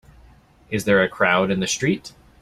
Is there a crowd in the street?